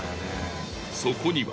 そこには。